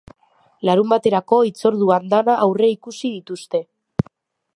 Larunbaterako hitzordu andana aurreikusi dituzte.